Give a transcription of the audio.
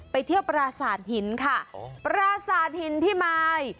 ไปเที่ยวปราสาทหินค่ะปราสาทหินพิมาย